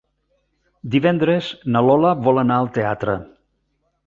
Divendres na Lola vol anar al teatre.